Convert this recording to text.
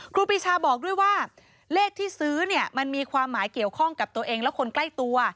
ครูปีชาบอกด้วยว่าเลขที่ซื้อเนี่ยมันมีความหมายเกี่ยวข้องกับตัวเองและคนใกล้ตัว